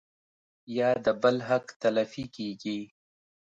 يا د بل حق تلفي کيږي